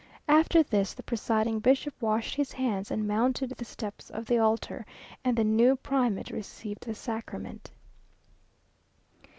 After this, the presiding bishop washed his hands and mounted the steps of the altar, and the new primate received the sacrament.